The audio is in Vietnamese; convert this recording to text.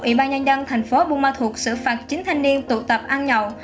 ủy ban nhân dân thành phố bung ma thuộc xử phạt chín thanh niên tụ tập ăn nhậu